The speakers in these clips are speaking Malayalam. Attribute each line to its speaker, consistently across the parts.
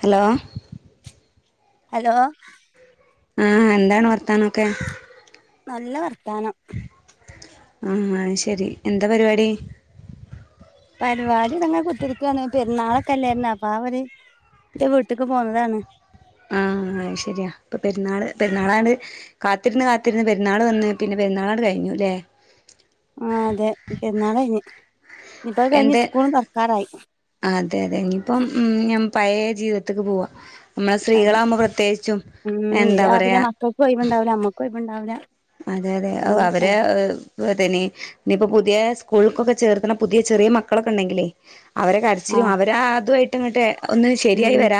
Speaker 1: ഹലോ
Speaker 2: ഹലോ
Speaker 1: ആ എന്താണ് വർത്താനൊക്കെ
Speaker 2: നല്ല വർത്താനം
Speaker 1: ആ ശരി എന്താ പരിപാടി
Speaker 2: പരിപാടി ഇതങ്ങനെ ൻ്റെ വീട്ടുക്ക് പോന്നതാണ്
Speaker 1: ആ ശരിയാ ഇപ്പൊ പെരുന്നാള് പെരുന്നാളാണ്ട് കാത്തിരുന്ന് കാത്തിരുന്ന് പെരുന്നാൾ വന്ന് പിന്നെ പെരുന്നാളാണ് കഴിഞ്ഞു അല്ലേ
Speaker 2: ആ അതെ പെരുന്നാള് കഴിഞ്ഞ് ഇനിയിപ്പോ അത് കഴിഞ്ഞ്
Speaker 1: എന്ത
Speaker 2: സ്കൂളും തുറക്കാറായി
Speaker 1: അതെ അതെ ഇനിയിപ്പം ഉം ഞ പഴയ ജീവിതത്തക്ക് പോവാക
Speaker 2: അതെ ഉം
Speaker 1: എന്താ
Speaker 2: രാവിലെ
Speaker 1: പറയാ
Speaker 2: മക്കൾക്കും ഒയിവുണ്ടവില്ല അമ്മക്കും ഒയിവ്ണ്ടാവില്ല
Speaker 1: അതെ അതെ ഓ അവര് തനി ഇനിയിപ്പോ പുതിയ സ്‌കൂൾക്കൊക്കെ ചേർത്തണ പുതിയ ചെറിയ മക്കളൊക്കെ ഉണ്ടെങ്കിലേ അവരെ
Speaker 2: ആ
Speaker 1: കരച്ചിലും അവര് അതു അ ഇട്ടങ്ങിട്ട്
Speaker 2: ഉം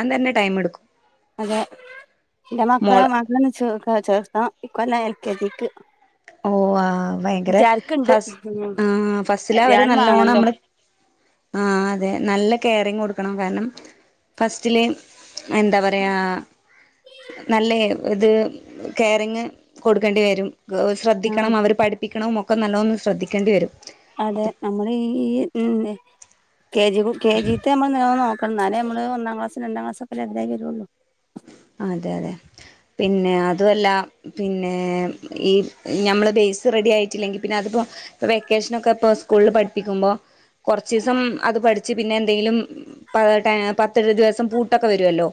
Speaker 2: അതെ ഇന്റെ മക്കളെ
Speaker 1: മോള്
Speaker 2: [unintelligible] ചെ ചേർത്തണം ഇക്കൊല്ലം എൽ കെ ജീ ക്ക്
Speaker 1: ഓ ആ ഭയങ്കര ഫസ്
Speaker 2: ഉം
Speaker 1: ആ ഫസ്റ്റിലെ അവരെ
Speaker 2: ഏതായാലും
Speaker 1: നല്ലോണം
Speaker 2: വാണല്ലോ
Speaker 1: നമ്മള് ആ അതെ നല്ല കെയറിങ്ങ് കൊടു ണം കാരണം ഫസ്റ്റ്ലെ എന്താ പറയാ നല്ല ഇത് കെയറിങ്ങ് കൊടുക്കേണ്ടിവരും
Speaker 2: ആ
Speaker 1: ശ്രദ്ധിക്കണം അവര് പഠിപ്പിക്ക് ണവും ഒ ക്കെ നല്ലൊന്ന് ശ്രദ്ധിക്കേണ്ടിവരും
Speaker 2: അതെ നമ്മള് ഈ ഉം കെ ജി കു കെ ജിത്തെ നമ്മള് നല്ലോണം നോ കണം എന്നാലേ നമ്മള് ഒന്നാം ക്ലാസ് രണ്ടാം ക്ലാസ് ഒക്കെ ലെവലായി വരുള്ളൂ
Speaker 1: അതെ അതെ പിന്നെ അതു പല്ല പിന്നെ ഈ ഞമ്മള് ബേസ് റെഡി ആയിട്ടില്ലെങ്കി പിന്നെ അതിപ്പോ ഇപ്പ വെക്കേഷനൊക്കെ ഇപ്പ സ്കൂളിൽ പഠിപ്പിക്കുമ്പോ കൊറച്ചീസം അത് പഠിച്ച് പിന്നെ എന്തെങ്കിലും പത്തെഴു ദിവസം പൂട്ടൊക്കെ വരുല്ലോ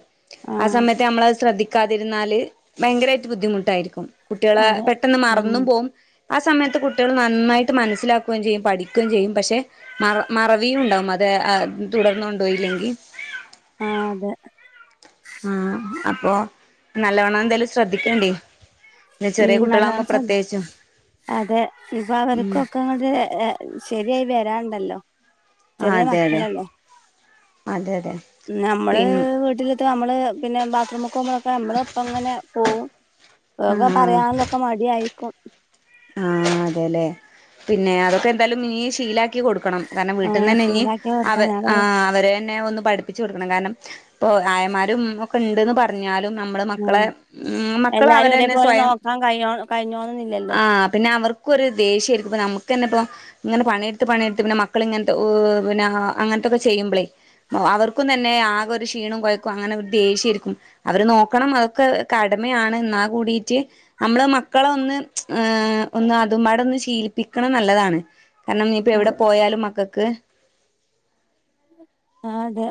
Speaker 1: ആ സമയത്ത് നമ്മളത് ശ്രെദ്ധി കാതിരുന്നാല് ഭയങ്കരായിട്ട് ബുദ്ധിമുട്ടായിരിക്കും കുട്ടികളെ
Speaker 2: അതെ
Speaker 1: പെട്ടെന്ന്
Speaker 2: ഉം
Speaker 1: മറന്നും പോകും ആ സമയത്ത് കുട്ടികൾ നന്നായിട്ട് മനസ്സിലാക്കുകയും ചെയ്യും പഠിക്കുകയും ചെയ്യും പക്ഷെ മറ മറവിയും ഉണ്ടാവും അത് തുടർന്ന് കൊണ്ടുപോയില്ലെങ്കി
Speaker 2: ആ അതെ
Speaker 1: ആ അപ്പൊ നല്ലവണം എന്തായാലും ശ്രദ്ധിക്കണ്ടീ
Speaker 2: ഉം നല്ല ശ്രദ് അതെ ഇപ്പൊ
Speaker 1: ഉം
Speaker 2: അവർക്കൊക്കെ അങ്ങോട്ട് ശരിയായി വരാ ണ്ടല്ലോ
Speaker 1: ആഹ്
Speaker 2: ചെറിയ
Speaker 1: അതെ അതെ
Speaker 2: മക്കളല്ലേ
Speaker 1: അതെ അതെ
Speaker 2: നമ്മള്
Speaker 1: പിൻ
Speaker 2: വീട്ടിലെത്തെ നമ്മള് പിന്നെ ബാത്റൂമ്ക്കോവുമ്പളൊക്കെ നമ്മള് ഒപ്പ അങ്ങനെ പോകും [unintelligible] ക്കേ
Speaker 1: ആഹ്
Speaker 2: പറയാനും ഇതൊക്കെ മടിയായി കും
Speaker 1: ആ അതെല്ലെ പിന്നെ അതൊക്കെ എന്തായാലും നീ ശീലാ ക്കി കൊടുക്കണം കാരണം
Speaker 2: ആ
Speaker 1: വീട്ടിന്ന് തന്നെ ഇനിയും
Speaker 2: ശീലാക്കി
Speaker 1: അവ
Speaker 2: കൊടുക്കണം ഞാൻ പറയും
Speaker 1: അവര ന്നെ ഒന്ന് പഠിപ്പിച്ച് കൊടുക്കണം കാരണം ഇപ്പൊ ആയമാരും ഒ ക്കൊണ്ട് ന്ന് പറഞ്ഞാൽ
Speaker 2: ഉം എല്ലാരും
Speaker 1: അവരന്നെ
Speaker 2: ഒരേപോലെ നോക്കാൻ കഴിഞ്ഞോ കഴിഞ്ഞോളണംന്നില്ലല്ലോ
Speaker 1: ആ പിന്നെ അവർക്കൊരു ദേഷ്യായിരിക്കും ഇപ്പം നമുക്ക് ന്നെ ഇപ്പോ ഇങ്ങനെ പണിയെടുത്ത് പണിയെടുത്ത് പിന്നെ മക്കൾ ഇങ്ങനത്തെ പിന്ന അങ്ങനത്തെക്കെ ചെയ്യുമ്പളേ അവർക്കും തന്നെ ആകെ ഒരു ക്ഷീണവും കൊയക്കും അങ്ങനെ ഒരു ദേഷ്യ ആയിരിക്കും അവരെ നോക്കണം അതൊക്കെ കടമയാണ് എന്നാ കൂടിട്ട് നമ്മള് മക്കള ഒന്ന് ഹ് ഒന്ന് അതും പാടൊന്ന് ശീലി പ്പിക്കണത് നല്ലതാണ് കാരണം ഇനിപ്പം എവിടെ
Speaker 2: അതെ
Speaker 1: പോയാലും മക്കൾക്ക്
Speaker 2: ആ അതെ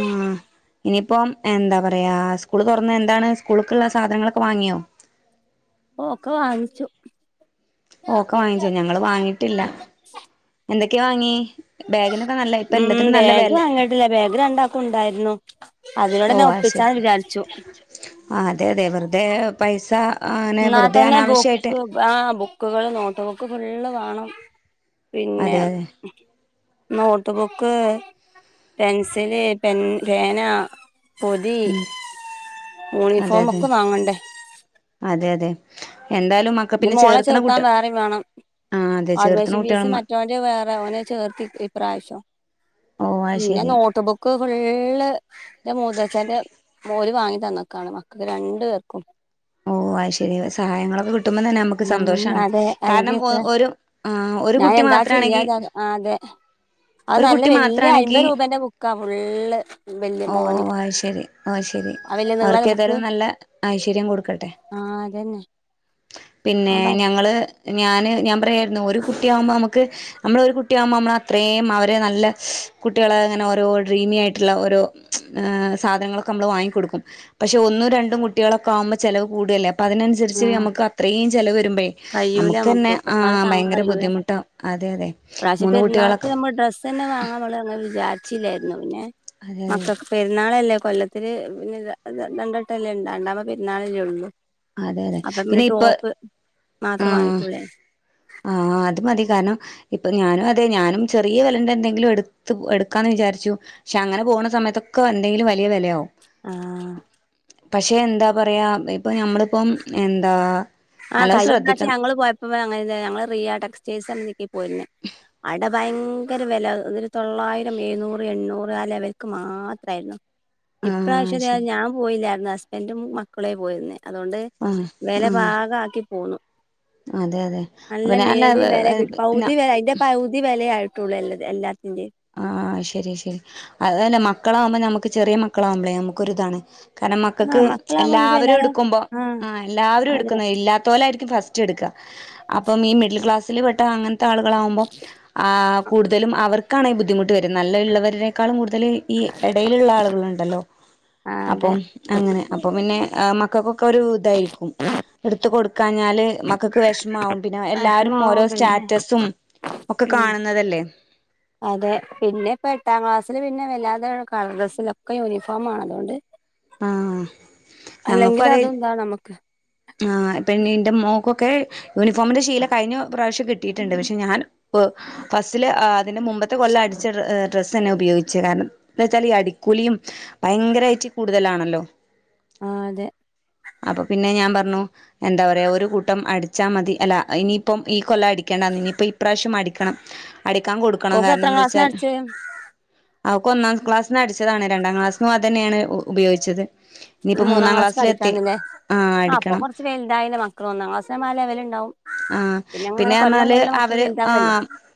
Speaker 1: ആഹ് ഇനിയിപ്പം എന്താ പറയാ സ്കൂള് തൊറന്ന് എന്താണ് സ്കൂള്ക്കുള്ള സാധനങ്ങളൊക്കെ വാങ്ങിയോ
Speaker 2: ഒ ഒക്കെ വാങ്ങിച്ചു
Speaker 1: ഓക്കെ വാങ്ങിച്ചോ ഞങ്ങള് വാങ്ങിയിട്ടില്ല എന്തൊ ക്കെ വാങ്ങി ബാഗിനൊക്കെ നല്ല ഇപ്പ
Speaker 2: ഉം
Speaker 1: എല്ലാത്തിനും നല്ല
Speaker 2: ബാഗ്
Speaker 1: വെല
Speaker 2: വാങ്ങിട്ടില്ല ബാഗ് രണ്ടാക്കും ഉണ്ടായിരുന്നു
Speaker 1: ഓ
Speaker 2: അതിനോടന്നെ
Speaker 1: ആ ശരി
Speaker 2: ഒപ്പിച്ചാന്ന് വിചാരിച്ചു
Speaker 1: ആ അതെ അതെ വെർതെ പൈസാ
Speaker 2: ന്നാതന്നെ ബുക്ക് ആ ബുക്കുകള് നോട്ടുബു ക്ക് ഫുള്ള് വാണം പിന്നെ
Speaker 1: അതെ അതെ
Speaker 2: no notebook pencil pen പേന പൊതി
Speaker 1: അതെ അതെ
Speaker 2: യൂണിഫോമൊക്കെ വാങ്ങണ്ടേ
Speaker 1: അതെ അതെ എന്തായാലും മക്ക
Speaker 2: ഇനി
Speaker 1: പിന്നെ
Speaker 2: മോളെ
Speaker 1: ചേർത്തണ
Speaker 2: ചേർത്താൻ
Speaker 1: കുട്ടി
Speaker 2: വേറെം വേണം.
Speaker 1: ആ അതെ
Speaker 2: അട്മിഷ
Speaker 1: ചേർത്തണ
Speaker 2: ഫീസ്
Speaker 1: കുട്ടികള
Speaker 2: മറ്റൊന്റെ വേറെ ഓനെ ചേർത്തി ഇ ഇപ്രാഷ്യം
Speaker 1: ഓ അത്
Speaker 2: പിന്നെ
Speaker 1: ശരി
Speaker 2: നോട്ട് ബുക്ക് ഫുള്ള് ന്റെ മൂത്തചന്റെ ഓര് വാങ്ങി തന്നക്കാണ് മക്കക്ക് രണ്ടു പേർക്കും
Speaker 1: ഓ അ ശരി സഹായങ്ങളൊക്കെ കി ട്ടുമ്പ തന്നെ നമുക്ക്
Speaker 2: ഉം
Speaker 1: സന്തോഷാണ്
Speaker 2: അതെ അല്ലെങ്കി
Speaker 1: കാരണം ഒ
Speaker 2: എത്ര
Speaker 1: ഒരു ആ ഒരു
Speaker 2: ഞാൻ
Speaker 1: കുട്ടി
Speaker 2: എന്താ ചെയ്യാ
Speaker 1: മാത്രാണെങ്കി
Speaker 2: അതെ അത്
Speaker 1: ഒരു
Speaker 2: നല്ല
Speaker 1: കുട്ടി
Speaker 2: വല്യ
Speaker 1: മാത്രാണെങ്കി
Speaker 2: ഐമ്പതുരൂപേന്റെ ബുക്കാ ഫുള്ള് വല്യ
Speaker 1: ഓ
Speaker 2: മോന്
Speaker 1: ആ ശരി ഒശരി
Speaker 2: ആ വല്യ നീളല്ല
Speaker 1: അവർക്ക്
Speaker 2: ബുക്ക്
Speaker 1: ഏതായാലും നല്ല ഐശ്വര്യം കൊട്ക്കട്ടെ
Speaker 2: ആ അതന്നെ
Speaker 1: പിന്നെ
Speaker 2: ഞാൻ പറ
Speaker 1: ഞങ്ങള് ഞാന് ഞാൻ പറയുയാരുന്നു ഒരു കുട്ടിയാമ്പോ നമുക്ക് നമ്മള് ഒരു കുട്ടിയാമ്പോ നമ്മള് അത്രയും അവരെ നല്ല കുട്ടികളെ അങ്ങനെ ഓരോ ഡ്രീമി ആയിട്ടുള്ള ഓരോ സാധനങ്ങളൊക്കെ നമ്മള് വാങ്ങിക്കൊടുക്കും. പക്ഷെ ഒന്നും രണ്ടും കുട്ടികളൊക്കെ ആമ്പോ ചെിലവ് കൂടുഅല്ലേ അ
Speaker 2: ആ
Speaker 1: അതിനനുസരിച്ച് ഞമ ത്രയും ചെലവ് ഇമ്പേ
Speaker 2: കഴിയൂല നമുക്ക്
Speaker 1: നമക്കന്നെ ആ
Speaker 2: ഒക്കെപ്പാടെ താങ്ങാൻ
Speaker 1: ഭയങ്കര
Speaker 2: കഴിയൂല
Speaker 1: ബുദ്ധിമുട്ടാവും. അതെ അതെ
Speaker 2: ഇപ്രാവശ്യം
Speaker 1: മൂന്ന്
Speaker 2: പെരുന്നാൾക്ക്
Speaker 1: കുട്ടികളൊക്ക്
Speaker 2: ച്ചില്ലായിരുന്നു. പിന്നെ മക്കക്ക് പെരുന്നാളല്ലേ.. കൊല്ലത്തില് പിന്നെ ര ര രണ്ടട്ടല്ലേ ഉണ്ടാ ഉണ്ടാ പെരുന്നാളല്ലേ ഒള്ളൂ
Speaker 1: അതെ അതെ പിന്നെ ഇപ്പ
Speaker 2: മാത്രം വാങ്ങിട്ടുള്ളേ
Speaker 1: ആ ആ അത് മതി. കാരണം ഇപ്പൊ ഞാനും അതെ ഞാനും ചെറിയ വെലെൻ്റെ എന്തെങ്കിലും എടുത്ത് പോ എടുക്കാന്ന് വിചാരിച്ചു. ക്ഷെ അങ്ങനെ പോണ സമയത്തൊക്കെ എന്തെങ്കിലും വലിയ വെലയാകും
Speaker 2: ആ
Speaker 1: പക്ഷെ എന്താ പറയാ ഇപ്പൊ ഞമ്മളിപ്പം എന്താ
Speaker 2: ആ
Speaker 1: നല്ലോ
Speaker 2: കഴിഞ്ഞപ്രാവശ്യ
Speaker 1: ശ്രദ്ധിക്കണം
Speaker 2: ഞങ്ങള് പോയപ്പ് പ്പ ഞങ്ങളില്ലേഞങ്ങള് റിയാ ടെക്സ്റ്റൈൽസ [unintelligible] [unintelligible] പോയിരുന്നു. അട ഭയങ്കര വെല ഇതില് തൊള്ളായിരം എഴുന്നൂറ് എണ്ണൂറ് ആ ലെവൽക്ക് മാത്രായിരുന്നു.
Speaker 1: ആഹ്
Speaker 2: ഇപ്രാവശ്യം ഞാൻ
Speaker 1: ശരി
Speaker 2: ഞാൻ പോയില്ലായിരുന്നു ആ സ് എന്റെ മ് മക്കളെ പോയിരുന്നേ അതോണ്ട്
Speaker 1: ആഹ്
Speaker 2: വെല പാ
Speaker 1: ആഹ്
Speaker 2: ക്കി പോന്നു
Speaker 1: അതെ അതെ
Speaker 2: നല്ല
Speaker 1: അപ്പൊ ഞാൻ
Speaker 2: മേടി വെല കിട്ടി പൗവുതി
Speaker 1: അല്ല
Speaker 2: വില അതിന്റെ പൗവുതി വെലെ ആയു ട്ടുള്ളല്ലത് എല്ലാ
Speaker 1: ആ ആ ശരി ശരി അത് തന്നെ മ ക്കളാവുമ്പോ നമ്മക്ക് ചെറിയ മക്കളാവ്മ്പളേ നമ്മുക്കൊരുതാണ് കാരണം മക്കൾക്ക്
Speaker 2: ആഹ് മക്കളാവുമ്പോ ഇനിപ്പോ
Speaker 1: എല്ലാവരും
Speaker 2: എല്ലാരും
Speaker 1: എടുക്കുമ്പോ
Speaker 2: ആഹ്
Speaker 1: ആ എല്ലാവരും
Speaker 2: അതെ
Speaker 1: എടുക്കുന്നേ ഇല്ലാതോലായിരി ക്കും ഫസ്റ്റ് എടുക്കാ അപ്പം ഈ മിഡിൽ ക്ലാസ് [unintelligible] ത്ത അങ്ങനത്തെ ആളുകളാവുമ്പോ ആ കൂടുതലും അവർ ക്കണേ ബദ്ധിമുട്ട് വര് നല്ല ഇള്ളവരേക്കാള്ളും കൂടു തല് ഈ എടയിലുള്ള ആളുകളാണ് ണ്ടല്ലോ
Speaker 2: ആഹ് അതെ
Speaker 1: അപ്പം അങ്ങനെ അപ്പൊ പിന്നെ ആ മക്കക്കൊക്കെ ഒരു ഇതായിരിക്കും എടുത്തു കൊടു ക്കാഞ്ഞാല് മക്കക്ക് വെഷ്മാവും പിന്നെ എല്ലാരും ഓരോ
Speaker 2: വെഷമാവും പിന്നെ
Speaker 1: സ്റ്റാറ്റസും ഒക്കെ
Speaker 2: ഉം
Speaker 1: കാണുന്നതല്ലേ
Speaker 2: അതെ പിന്നെ ഇപ്പ എട്ടാം ക്ലാസ്സില് പിന്നെ വല്ലാതെ കളർ ഡ്രസ്സില്ല ഒക്കെ യൂണിഫോമാണ് അതോണ്ട്
Speaker 1: ആഹ് ഞങ്ങക്കു
Speaker 2: അല്ലെങ്കിൽ
Speaker 1: അതേ
Speaker 2: അതും ഇതാണ് നമുക്ക്
Speaker 1: ആ പിന്നെ ന്റെ മോക്കൊക്കെ യൂണിഫോമിൻ്റെ ശീല കഴിഞ്ഞ പ്രാവശ്യം കിട്ടിട്ട്ണ്ട് പക്ഷെ ഞാൻ പ്പ് ഫസ്റ്റില് അ അതിന്റെ മുമ്പത്തെ കൊല്ലം അടിച്ച ഡ്ര ഏഹ് ഡ്രസ്സന്നെ ഉപയോഗിച്ച് കാരണം ന്താ വെച്ചാൽ ഈ അടിക്കൂലിയും ഭയങ്കരായിട്ട് കൂടുതലാണല്ലോ
Speaker 2: ആ അതെ
Speaker 1: അപ്പൊ പിന്നെ ഞാൻ പറഞ്ഞു എന്താ പറയാ ഒരു കൂട്ടം അടിച്ചാ മതി അല്ല ഇനിയിപ്പം ഈ കൊല്ലടിക്കണ്ടന്ന് ഇനിയിപ്പ ഇ പ്രാവശ്യം അടിക്കണം അടിക്കാൻ കൊടുക്കണം
Speaker 2: ഓക്ക്
Speaker 1: കാരണം
Speaker 2: എത്രാം ക്ലാസ്സിനാ
Speaker 1: എന്തച്ചാൽ
Speaker 2: അടിച്ചേ
Speaker 1: അവക്ക് ഒന്നാം ക്ലാസ്സിന് അടിച്ചതാണ് രണ്ടാം ക്ലാസ്സിനുമതന്നെയാണ് ഉപയോഗിച്ചത്
Speaker 2: ഇനി
Speaker 1: ഇനിയിപ്പോ
Speaker 2: മൂന്നാം ക്ലാസ്സിൽ
Speaker 1: ക്ലാസ്സിലെത്തി
Speaker 2: അടിക്കാണ്ട്ലെ
Speaker 1: ആഹ്
Speaker 2: ആ അപ്പൊ
Speaker 1: അടിക്കണം
Speaker 2: കുറച്ച് വെൽതായില്ലേ മക്കള് ഒന്നാംക്ലാസ് ആവുമ്പോ ആ ലെവല് ഉണ്ടാവൂ
Speaker 1: ആ പിന്നെ പറഞ്ഞാല് അവര് ആ
Speaker 2: വലുതാവല്ലേ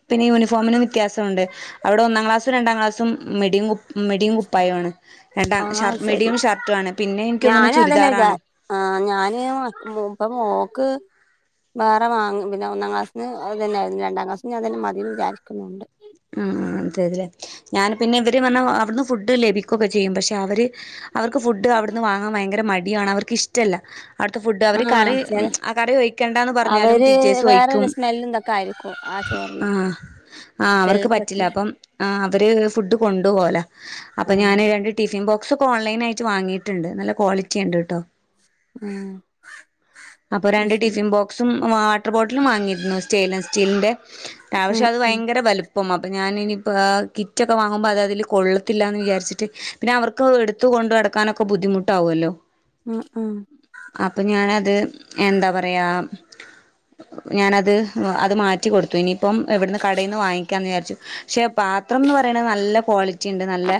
Speaker 1: പിന്നെ യൂണിഫോമിന് വ്യത്യാസോണ്ട് അവടെ ഒന്നാം ക്ലാ സ്സും രണ്ടാം ക്ലാസ്സും മിഡിയും കു ഉം മിഡിയും കുപ്പായു ആണ് രണ്ടാം
Speaker 2: ആ
Speaker 1: ഷർട്ട്
Speaker 2: ശരി
Speaker 1: മിടിയും ഷർട്ടും ആണ് പിന്നെ എനിക്ക് തോന്നുന്നു
Speaker 2: ഞാനതന്നെ വിചാ
Speaker 1: ചുരിദാറാണ്
Speaker 2: ആ ഞാന് ഇ ഇപ്പ മോക്ക് വേറെ വാങ്ങും പിന്നെ ഒന്നാം ക്ലാസ്സിന് അത് തന്നേയിരുന്നു രണ്ടാം ക്ലാസ്സിന് അതന്നെ മതിന്ന് വിചാരിക്കുന്നുണ്ട്
Speaker 1: ഉം ഉം [unintelligible] ഞാന് പിന്നെ ഇവര് പറഞ്ഞാ അവിടുന്ന് ഫുഡ് ലഭിക്കൊക്കെ ചെയ്യും പക്ഷെ അവര് അവർക്ക് ഫുഡ് അവിടുന്ന് വാങ്ങാൻ ഭയങ്കര മ ടിയും ആണ് അവർക്ക് ഇഷ്ടല്ല അവിട്ത്തെ ഫുഡ് അവര്
Speaker 2: ആഹ്
Speaker 1: കറി
Speaker 2: ചെ
Speaker 1: ഉം ആ കറി ഒഴിക്കണ്ടാന്ന് പറഞ്ഞാലും
Speaker 2: അവര്
Speaker 1: ടീച്ചേഴ്സ് ഒഴിക്കും
Speaker 2: വേറൊരു സ്മെല്ലും ഇതൊക്കെ ആയിരിക്കും ആ ചോറിന്
Speaker 1: ആ ആ അവർക്ക് പറ്റില്ല അപ്പം ആ അവര് ഫുഡ് കൊണ്ടു പോവലാ, അപ്പൊ
Speaker 2: ആഹ്
Speaker 1: ഞാന് രണ്ട് ടി ഫിൻ ബോക്സൊക്കെ ഓൺലൈനായിറ്റ് വാങ്ങിയിട്ട്ണ്ട് നല്ല ക്വാളിറ്റിണ്ട് ട്ടോ
Speaker 2: ആഹ്
Speaker 1: അപ്പൊ
Speaker 2: അത്
Speaker 1: രണ്ട്
Speaker 2: ശരി
Speaker 1: ടിഫിൻ ബോക്സും വാട്ടർ ബോട്ടിലും വാങ്ങിയിര്ന്നു, സ്റ്റൈൻലെസ്സ് സ്റ്റീൽന്റെ അത്
Speaker 2: ഉം
Speaker 1: പക്ഷേ
Speaker 2: ഉം
Speaker 1: വയങ്ക എലുപ്പം അപ്പൊ ഞാാനിനിപ്പൊ കിറ്റൊക്കെ വാങ്ങുമ്പൊ അത് അതില് കൊള്ളത്തില്ലാന്ന് വിചാരിച്ചിട്ട് പിന്നെ അവർക്ക് എടുത്തു കൊണ്ട് നടക്കാനൊക്കെ ബുദ്ധിമുട്ടാവോല്ലോ
Speaker 2: ഉം ഉം
Speaker 1: അപ്പം ഞാനത് ത് എന്താ പറയാ ഞാനത് ഹ അത് മാറ്റി കൊടുത്തു, ഇനിയിപ്പം എവിട്ന്ന് ക ടേന്ന് വാങ്ങിക്കാന്ന് വിചാരിച്ചു പക്ഷെ പാത്രന്ന് പറയണത് നല്ല ക്വാളിറ്റിണ്ട് നല്ല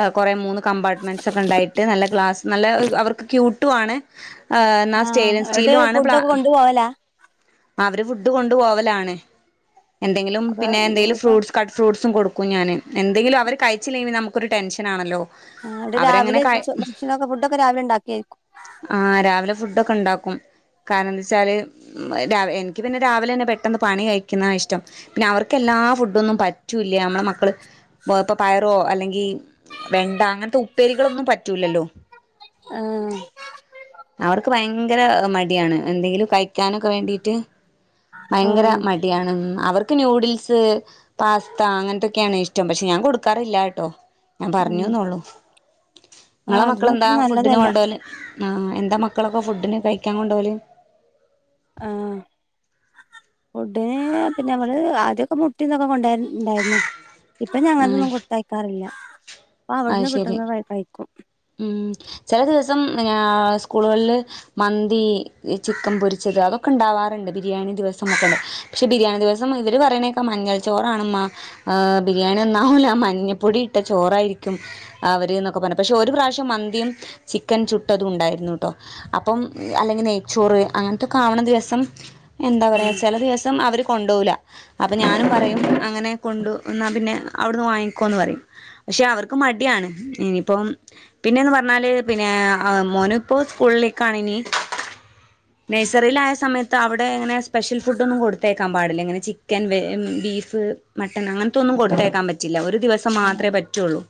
Speaker 1: അ കൊറേ മൂന്ന് കമ്പാർട്ട്മെന്റ്സ് ഒക്കെ ഉണ്ടായിട്ട് നല്ല ഗ്ലാസ് നല്ല ഹ് അവർക്ക് ക്യൂട്ടു ആണ് എന്നാൽ
Speaker 2: ആ
Speaker 1: സ്റ്റെയിൻലെസ്
Speaker 2: അവിടെ
Speaker 1: സ്റ്റീലും ആണ് പ്ലാ
Speaker 2: ഫുഡോക്കെ കൊണ്ട് പോവലാ?
Speaker 1: അവര് ഫുഡ് കൊണ്ടു പോവലാണ് എന്തെങ്കിലും
Speaker 2: അപ്പൊ
Speaker 1: പിന്നേന്തേലും
Speaker 2: ഇനിയിപ്പോ
Speaker 1: ഫ്രൂട്സ് കട്ട് ഫ്രൂട്സും കൊടു ക്കും ഞാന് എന്തെങ്കിലും അവര് കഴിച്ചില്ലെങ്ങെ പിന്നെ നമുക്കൊരു ടെൻഷനാണല്ലോ
Speaker 2: ആ എന്നിട്ട് രാവിലെ [unintelligible] ഭക്ഷണൊക്കെ ഫുഡൊക്കെ രാവിലെണ്ടാക്കി അയക്കും
Speaker 1: കും കാരണെന്തെച്ചാല് ഉം [unintelligible] രാവ് എനിക്ക് പിന്നെ രാവിലെന്നെ പെട്ടെന്ന് പണി കഴിക്കുന്നാ ഇഷ്ടം, പിന്നെ അവർക്കെല്ലാ ഫുഡൊന്നും പറ്റൂല്യ നമ്മളെ മക്കള് ബോ ഇപ്പൊ പയറോ അല്ലെങ്കി വെണ്ട അങ്ങൻത്തെ ഉപ്പേരികളൊന്നും പറ്റൂല്ലല്ലോ
Speaker 2: ആഹ്
Speaker 1: അവർക്ക് ഭയങ്കര മടിയാണ് എന്തെങ്കിലു കൈ ക്കാനൊക്കെ വേണ്ടീട്ട് ഭയങ്കര
Speaker 2: ആഹ്
Speaker 1: മടിയാണ് എന്നാ അവർക്ക് ന്യുഡിൽസ് പാസ്ത അങ്ങൻത്തൊക്കെയാണ് ഇഷ്ടം, പക്ഷെ ഞാൻ കൊടുക്കാറില്ലാ ട്ടോ ഞാൻ
Speaker 2: ഉം
Speaker 1: പറഞ്ഞൂന്നൊള്ളൂ ങ്ങളെ
Speaker 2: ആഹ് അതൊന്നും
Speaker 1: മക്കളെന്താ
Speaker 2: അത്ര
Speaker 1: ഫുഡിന്
Speaker 2: നല്ലതല്ല
Speaker 1: കൊണ്ടോല്? ആ എന്താ മക്കളൊക്കെ ഫുഡിന് കഴിക്കാൻ കൊണ്ടോല്
Speaker 2: ആ ഫുഡിന് പിന്നെ മ്മള് ആദ്യോക്കെ മുട്ടേം ഇതൊക്കെ കൊണ്ടവല് ണ്ടായിരുന്ന് ഇപ്പ ഞങ്ങൾ തൊന്നും കൊടുത്തയ്ക്കാറില്ല
Speaker 1: അഹ് ശരി ഉം ചെല ദിവസം ഞാ സ്കൂളുകളില് മന്തി ചിക്കൻ പൊരിച്ചത് അതൊക്കെണ്ടാവാറ്ണ്ട് ബിരിയാണി ദിവസംക്കെണ്ട് പക്ഷെ ബിരിയാണി ദിസം ഇവർ പറയണേക്കാ മഞ്ഞൾ ചോറണ് മ്മാ എ ബിരിയാണി ഒന്നാവൂല മഞ്ഞപ്പൊടി ഇട്ട ചോറായിരി അവര് ന്നൊക്കെ പറാ പക്ഷെ ഒരു പ്രാവശ്യം മന്തിയും ചിക്കൻ ചുട്ടതും ഉണ്ടായിരുന്നുട്ടോ അപ്പം അല്ലെങ്കിൽ നെയ്ച്ചോറ് അങ്ങനത്തൊക്കെ ആവണ ദിവസം എന്താ പറയാ ചെല ദിവസം അവര് കൊണ്ടൂല അപ്പൊ ഞാനും
Speaker 2: ആഹ്
Speaker 1: പറയും അങ്ങനെ കൊണ്ടു എന്നാ പിന്നെ അവിടുന്ന് വാങ്ങിക്കോന്ന് പറയും പക്ഷെ അവർ ക് മടിയാണ് ഇനിയിപ്പം പിന്നെന്ന് പറഞ്ഞാല് പിന്നെ മോനു ഇപ്പോ സ്കൂളിലേക്കാണ് ഇനി നഴ്സറിയിലായ സമയത്ത് അവിടെ ഇങ്ങനെ സ്പെഷ്യൽ ഫുഡ്‌ ഒന്നും കൊടുത്തേക്കാം പാടില്ലിങ്ങനെ ചിക്കൻ ബേ ബീഫ് മട്ടൻ അങ്ങനത്തൊന്നും കൊടുത്തേക്കാൻ പറ്റില്ല ഒരു ദിവസം മാത്രമേ
Speaker 2: ആഹ്
Speaker 1: പറ്റുള്ളൂ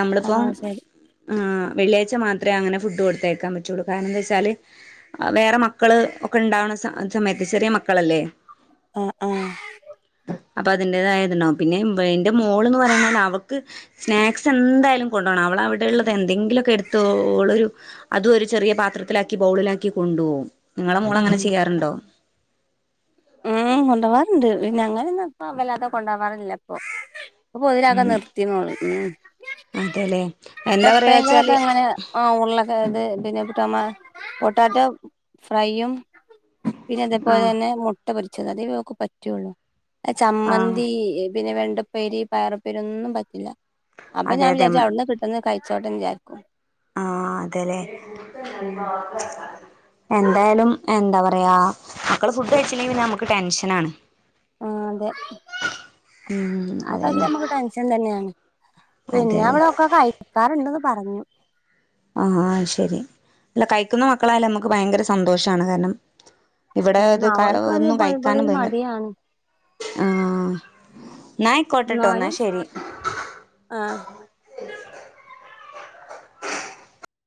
Speaker 1: നമ്മള് ഇപ്പം
Speaker 2: ആഹ് ശരി
Speaker 1: ആ വെള്ളിയാഴ്ച്ച മാത്രമേ അങ്ങനെ ഫുഡ് കൊടുത്തേയക്കാൻ പറ്റുള്ളൂ കാരണം എന്താന്ന് വെച്ചാല് വേറെ മക്കള് ഒക്കെ ഇണ്ടാവുന്ന അത് സമയത്ത് ചെറിയ മക്കളല്ലേ
Speaker 2: ആഹ് ആഹ്
Speaker 1: അപ്പ അതിന്റെതായിരുന്നു പിന്നെ എൻ്റെ മോളന്ന് പറയുന്നേനവെക്ക് സ്നാക്സ് എന്തായാലും കൊണ്ടോണം അവള അവിടെയള്ളത് എന്തെങ്കിലുക്കെ എടുത്ത് ഓളൊരു അതും ഒരു ചെറിയ പാത്രത്തിലാക്കി ബൗളിലാക്കി കൊണ്ടുപോകും നിങ്ങളെ
Speaker 2: ഉം
Speaker 1: മൂളങ്ങനെ ചെയ്യാറുണ്ടോ
Speaker 2: ഉം കൊണ്ടോവാറുണ്ട് പിന്നഞങ്ങ ന്നപ്പ വല്ലാതെ കൊണ്ടാവാറില്ല ഇപ്പൊ അപ്പൊതിലൊക്കെ നിർത്തി നോളി ഉ
Speaker 1: അതെല്ലേ എന്താ
Speaker 2: എപ്പഴെങ്കിലുംഒക്കെ
Speaker 1: പറയാച്ചാല്
Speaker 2: അങ്ങനെ ആ ഉള്ള അതത് പിന്നെ ഡോമ പൊട്ടാറ്റോ ഫ്രൈയും പിന്നെ
Speaker 1: ആഹ്
Speaker 2: അതേപോലെതന്നെ മൂ പൊരിച്ചത് അതേ ഓക്ക് പറ്റുള്ളൂ ആ
Speaker 1: ആഹ്
Speaker 2: ചമ്മന്തി പിന്നെ വെണ്ടപ്പേരി പയറപ്പേരി ഒന്നും പറ്റില്ല അപ്പ
Speaker 1: അതെ
Speaker 2: ഞാൻ
Speaker 1: അതെ
Speaker 2: വിചാരിച്ച് അവിടുന്ന് കിട്ടുന്ന കഴിച്ചോട്ടെന്ന് വിചാരിക്കും
Speaker 1: ആ അതെല്ലേ
Speaker 2: ഉം
Speaker 1: എന്തായാലും എന്താ പറയാ മക്കള് ഫുഡ് കഴിച്ചില്ലെങ്കി പിന്നെ നമുക്ക് ടെൻഷനാണ്
Speaker 2: ആ അതെ
Speaker 1: ഉം അതന്നെ
Speaker 2: [unintelligible] ടെൻഷൻ തന്നെയാണ്
Speaker 1: അതെ
Speaker 2: പിന്നെ
Speaker 1: അതെ
Speaker 2: അവിളൊക്കെ കഴിക്കാറ്ണ്ട്ന്ന് പറഞ്ഞു
Speaker 1: ആ ശെരി അല്ല കഴിക്കുന്ന മക്കളായാലും നമ്മുക്ക് ഭയങ്കര സന്തോഷാണ് കാരണം ഇവിടെ
Speaker 2: ഉം
Speaker 1: അത് ക
Speaker 2: അവൾക്ക് വന്ന്
Speaker 1: ഒന്നും
Speaker 2: പൊതുവെ
Speaker 1: കഴിക്കാനും
Speaker 2: ഒരു
Speaker 1: [unintelligible]
Speaker 2: മടിയാണ്
Speaker 1: ആഹ് ന്നായ് കേട്ടോട്ടോന്ന
Speaker 2: എന്നാലും
Speaker 1: ശരി
Speaker 2: ആ